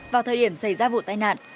vào thời điểm xảy ra vụ tai nạn